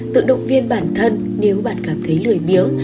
tự động viên bản thân nếu bạn cảm thấy lười miếng